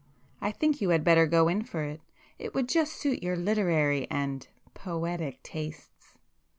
I think you had better go in for it; it would just suit your literary and poetic tastes."